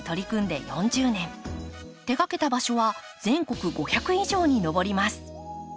手がけた場所は全国５００以上に上ります。